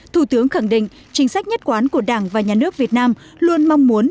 thủ tướng khẳng định chính sách nhất quán của đảng và nhà nước việt nam luôn mong muốn